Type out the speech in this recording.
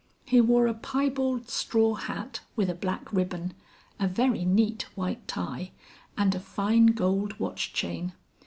He wore a piebald straw hat with a black ribbon, a very neat white tie, and a fine gold watch chain.